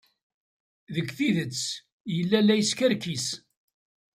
Deg tidet, yella la yeskerkis.